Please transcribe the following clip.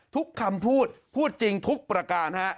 ทุกคำพูดพูดจริงทุกประการฮะ